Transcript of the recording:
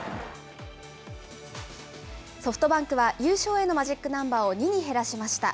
ソフトバンクは優勝へのマジックナンバーを２に減らしました。